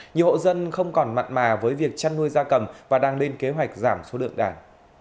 nhiều hộ dân không còn mặn mà với việc chăn nuôi da cầm và đang lên kế hoạch giảm số lượng đàn